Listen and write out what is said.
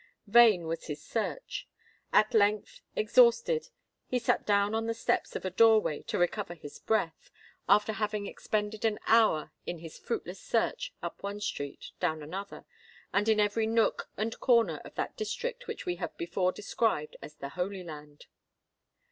Vain was his search. At length, exhausted, he sate down on the steps of a door way to recover his breath, after having expended an hour in his fruitless search up one street, down another, and in every nook and corner of that district which we have before described as the Holy Land.